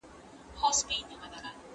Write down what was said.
هلک او نجلۍ بايد يو د بل له سن څخه خبر وي